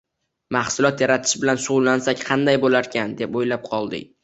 mahsulot yaratish bilan shugʻullansak qanday boʻlarkan, deb oʻylab qoldik.